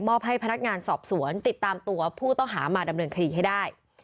ให้พนักงานสอบสวนติดตามตัวผู้ต้องหามาดำเนินคดีให้ได้